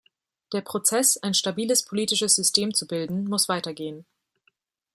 Der Prozess, ein stabiles politisches System zu bilden, muss weitergehen.